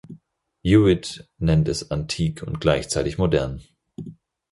Hewitt nennt es antik und gleichzeitig modern.